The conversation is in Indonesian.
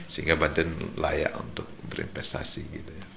sehingga banten layak untuk berinvestasi gitu ya